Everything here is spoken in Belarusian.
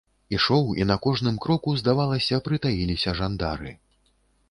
Ішоў і на кожным кроку, здавалася, прытаіліся жандары.